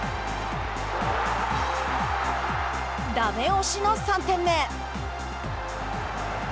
ダメ押しの３点目。